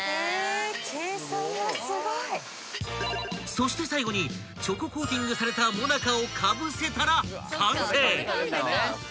［そして最後にチョココーティングされたモナカをかぶせたら完成！］